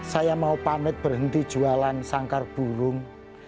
saya mau pamit berhenti jualan sangkar burung